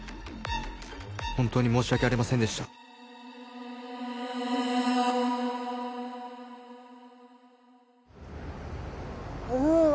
本当に申し訳ありませんでしたうわ